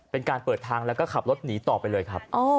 เป็นการเปิดทางแล้วก็ขับรถหนีต่อไปเลยครับ